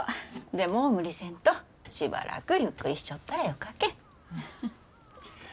でも無理せんとしばらくゆっくりしちょったらよかけん。